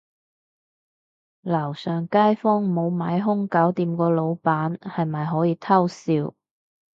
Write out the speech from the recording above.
樓上街坊無買兇搞掂個老闆，係咪可以偷笑